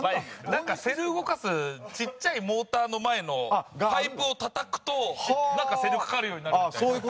なんかセル動かすちっちゃいモーターの前のパイプをたたくとなんかセルかかるようになるみたいな。